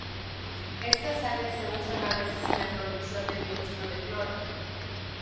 Estas sales se usan a veces en la producción de dióxido de cloro.